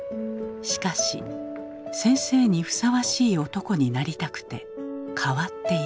しかし先生にふさわしい男になりたくて変わっていった。